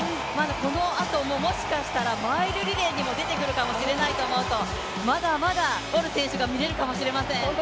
このあとももしかしたらマイルリレーにも出てくるかもしれないと思うとまだまだボル選手が見れるかもしれません。